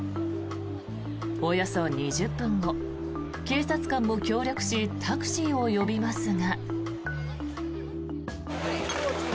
およそ２０分後、警察官も協力しタクシーを呼びますが。